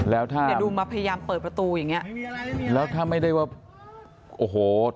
แล้วถ้าเนี่ยดูมาพยายามเปิดประตูอย่างเงี้ยแล้วถ้าไม่ได้ว่าโอ้โห